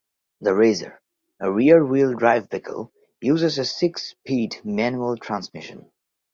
The Razor, a rear-wheel drive vehicle, uses a six-speed manual transmission.